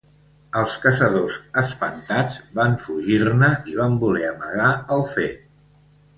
Els caçadors, espantats, van fugir-ne i van voler amagar el fet.